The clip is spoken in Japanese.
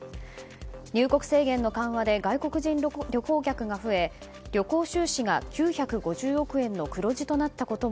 入国制限の緩和で外国人旅行客が増え旅行収支が９５０億円の黒字となったことも